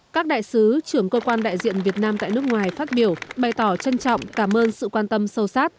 các đại sứ trưởng cơ quan đại diện việt nam tại nước ngoài phát biểu bày tỏ trân trọng cảm ơn sự quan tâm sâu sát